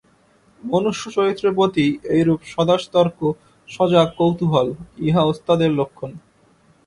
মনুষ্যচরিত্রের প্রতি এইরূপ সদাসতর্ক সজাগ কৌতূহল, ইহা ওস্তাদের লক্ষণ।